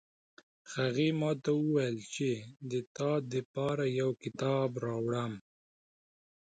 هغې ماته وویل چې د تا د پاره یو کتاب راوړم